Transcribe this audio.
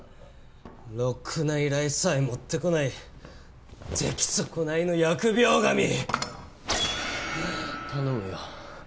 ろくな依頼さえ持ってこない出来損ないの疫病神！頼むよ。